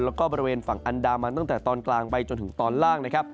แล้วก็บริเวณฝั่งอันดามันตั้งแต่ตอนกลางไปจนถึงตอนล่างนะครับ